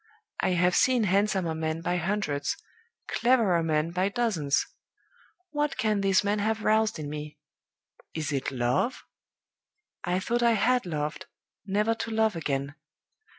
I have seen handsomer men by hundreds, cleverer men by dozens. What can this man have roused in me? Is it Love? I thought I had loved, never to love again.